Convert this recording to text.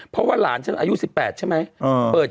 เป็นการกระตุ้นการไหลเวียนของเลือด